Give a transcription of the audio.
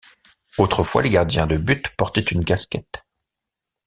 Autrefois les gardiens de but portaient une casquette.